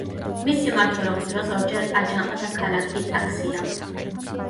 მისი მმართველობის დროს ორჯერ აჯანყდა ქალაქი ტაქსილა.